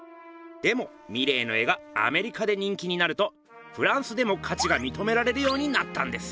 でもミレーの絵がアメリカで人気になるとフランスでもかちがみとめられるようになったんです。